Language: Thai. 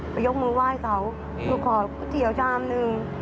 ไปยกมึงไหว้เขาหนูขอก๋อเสียวชามหนึ่ง